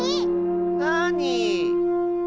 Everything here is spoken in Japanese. なに？